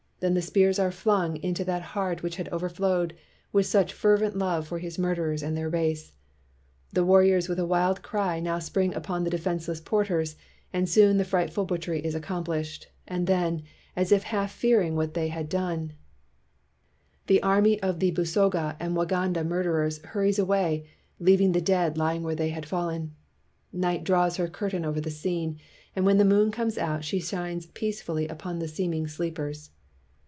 Then the spears are flung into that heart which had overflowed with such fervent love for his murderers and their race. The warriors with a wild cry now spring upon the defenseless porters, and soon the fright ful butchery is accomplished; and then, as if half fearing what they had done, the 226 STURDY BLACK CHRISTIANS army of the Busoga and Waganda murder ers hurries away, leaving the dead lying where they had fallen. Night draws her curtain over the scene, and when the moon comes out, she shines peacefully upon the seeming sleepers.